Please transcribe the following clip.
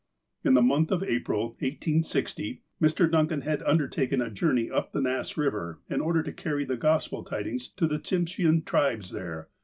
In the month of April, 1860, Mr. Duncan had under taken a journey up the Nass Eiv^er in order to carry the Gospel tidings to the Tsimshean tribes there.